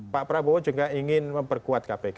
pak prabowo juga ingin memperkuat kpk